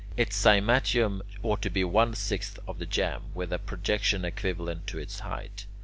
Its cymatium ought to be one sixth of the jamb, with a projection equivalent to its height.